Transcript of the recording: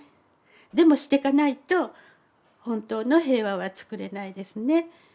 でもしてかないと本当の平和はつくれないですね。